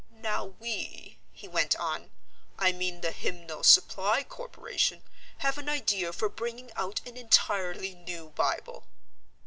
"Now we," he went on, "I mean the Hymnal Supply Corporation, have an idea for bringing out an entirely new Bible."